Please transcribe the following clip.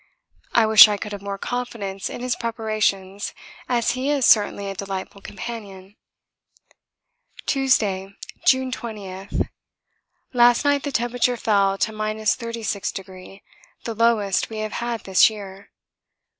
I wish I could have more confidence in his preparations, as he is certainly a delightful companion. Tuesday, June 20. Last night the temperature fell to 36°, the lowest we have had this year.